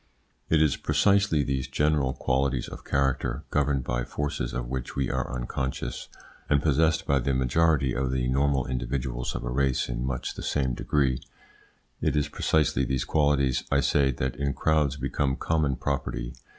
It is precisely these general qualities of character, governed by forces of which we are unconscious, and possessed by the majority of the normal individuals of a race in much the same degree it is precisely these qualities, I say, that in crowds become common property.